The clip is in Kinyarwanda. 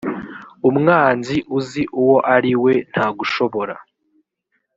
umwanzi uzi uwo ari we ntagushobora